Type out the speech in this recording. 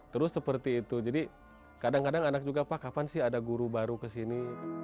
terus seperti itu jadi kadang kadang anak juga pak kapan sih ada guru baru kesini